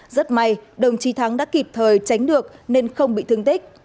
rất may đồng chí thắng đã kịp thời tránh được nên không bị thương tích